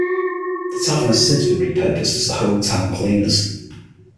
The tavern has since been re-purposed as the Home Town Cleaners.